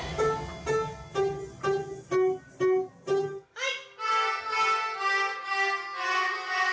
はい！